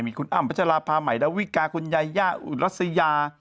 มีคุณอ้ำพัชราภาใหม่ดาวิกาคุณยาย่าอุรัสยา